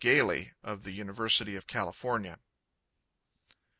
Gayley, of the University of California.